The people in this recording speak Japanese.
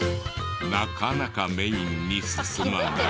なかなかメインに進まない。